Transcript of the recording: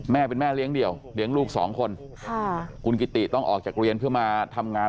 แม่เป็นแม่เลี้ยงเดี่ยวเลี้ยงลูกสองคนค่ะคุณกิติต้องออกจากเรียนเพื่อมาทำงาน